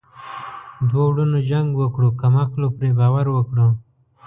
ـ دوه ورونو جنګ وکړو کم عقلو پري باور وکړو.